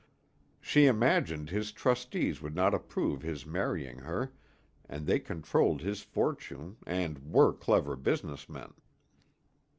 She imagined his trustees would not approve his marrying her and they controlled his fortune and were clever business men.